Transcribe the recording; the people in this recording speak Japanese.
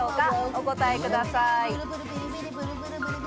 お答えください。